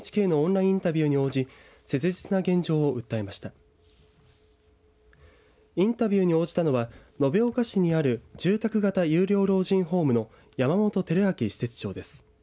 インタビューに応じたのは延岡市にある住宅型有料老人ホームの山本照明施設長です。